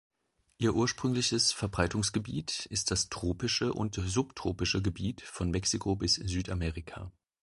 Ihr ursprüngliches Verbreitungsgebiet ist das tropische und subtropische Gebiet von Mexiko bis Südamerika.